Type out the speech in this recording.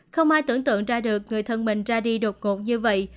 không ai tưởng tượng ra được người thân mình ra đi đột ngột như vậy